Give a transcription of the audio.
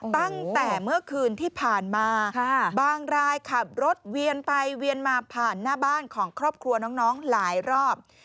ตั้งแต่เมื่อคืนที่ผ่านมาบางรายขับรถเวียนไปเวียนมาผ่านหน้าบ้านของครอบครัวน้องหลายรอบ